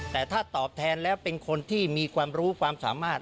แต่ถ้าตอบแทนแล้วเป็นคนที่มีความรู้ความสามารถ